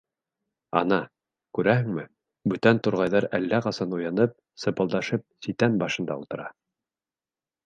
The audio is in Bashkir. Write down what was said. Ана, күрәһеңме, бүтән турғайҙар әллә ҡасан уянып, сипылдашып ситән башында ултыра.